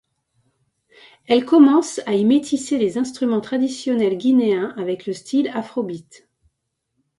Elle commence à y métisser les instruments traditionnels guinéens avec le style afrobeat.